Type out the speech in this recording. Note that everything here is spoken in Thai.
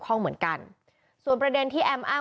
รวมถึงเมื่อวานี้ที่บิ๊กโจ๊กพาไปคุยกับแอมท์ท่านสถานหญิงกลาง